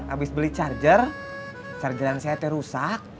habis beli charger charger nya rusak